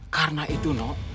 karena itu no